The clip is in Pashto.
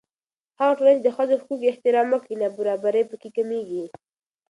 هغه ټولنه چې د ښځو د حقوقو احترام وکړي، نابرابري په کې کمېږي.